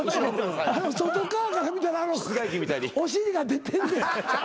外側から見たらお尻が出てんねや。